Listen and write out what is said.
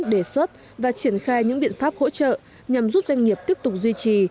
đề xuất và triển khai những biện pháp hỗ trợ nhằm giúp doanh nghiệp tiếp tục duy trì